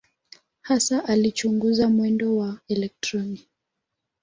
Hasa alichunguza mwendo wa elektroni.